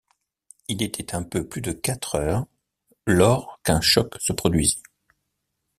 Il était un peu plus de quatre heures, lors qu’un choc se produisit.